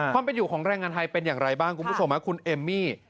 ความเป็นอยู่ของแรงงานไทยเป็นอย่างไรบ้างคุณผู้ชมคุณเอมมี่